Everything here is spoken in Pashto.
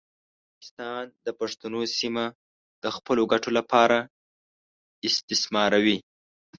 پاکستان د پښتنو سیمه د خپلو ګټو لپاره استثماروي.